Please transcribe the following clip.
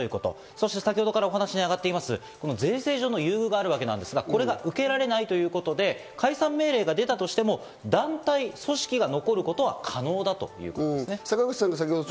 そして先程からお話に上がっています、税制上の優遇があるわけですが、これが受けられないということで、解散命令が出たとしても、団体組織が残ることは可能だということですね。